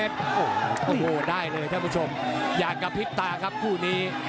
โอ้โหได้เลยท่านผู้ชมอยากกระพริบตาครับคู่นี้